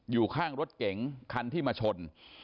อยู่ข้างรถเก๋งคันที่มาชน